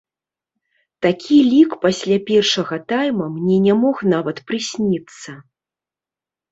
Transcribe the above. Такі лік пасля першага тайма мне не мог нават прысніцца.